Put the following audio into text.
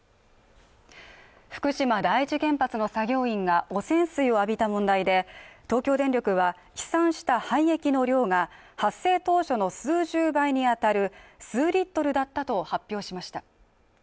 福島第一原発の作業員が汚染水を浴びた問題で東京電力は飛散した廃液の量が発生当初の数十倍にあたる数リットルだったと発表しました